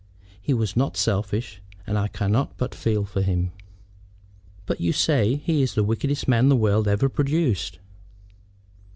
He was not selfish; and I cannot but feel for him." "But you say he is the wickedest man the world ever produced."